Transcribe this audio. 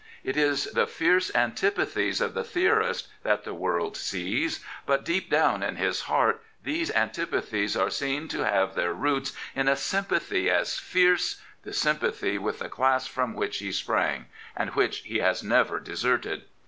It is the fierce antipathies of the theorist that the world sees; but deep down in his heart these antipathies are seen to have their roots in a sympathy as fierce — the sympathy with the class from which he sprang, and which he has never deserted.